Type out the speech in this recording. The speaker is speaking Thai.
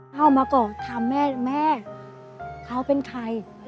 เข้ามาก่อถามแม่แม่เขาเป็นใคร